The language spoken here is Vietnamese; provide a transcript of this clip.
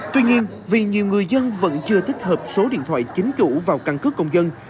tuy nhiên vì nhiều người dân vẫn chưa thích hợp số điện thoại chính chủ vào căn cứ công dân